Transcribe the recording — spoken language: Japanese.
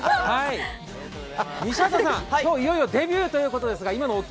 西畑さん、今日いよいよデビューということですが、今日のお気